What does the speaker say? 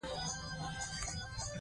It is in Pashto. په حق وېنا راته تکله ځينې داسې ګوري